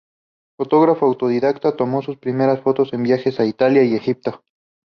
Fotógrafo autodidacta, tomó sus primeras fotos en viajes a Italia y Egipto.